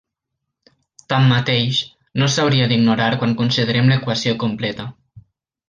Tanmateix, no s'hauria d'ignorar quan considerem l'equació completa.